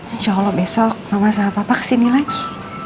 insya allah besok mama sama papa kesini lagi